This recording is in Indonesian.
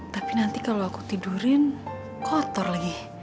tapi nanti kalau aku tidurin kotor lagi